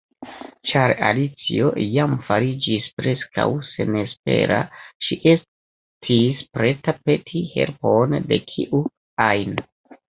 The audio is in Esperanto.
Ĉar Alicio jam fariĝis preskaŭ senespera, ŝi estis preta peti helpon de kiu ajn.